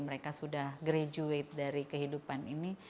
mereka sudah graduate dari kehidupan ini